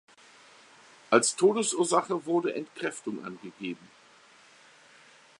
Als Todesursache wurde Entkräftung angegeben.